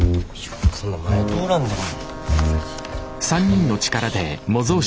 そんな前通らんでも。